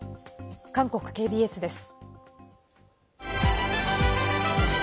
韓国ＫＢＳです。